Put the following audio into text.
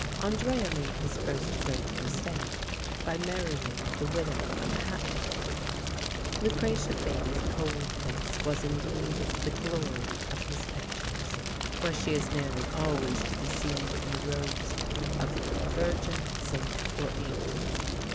Andrea made his first great mistake by marrying the widow of a hatmaker. Lucrezia Fedi's cold face was indeed the glory of his pictures, where she is nearly always to be seen in the robes of virgin, saint, or angel.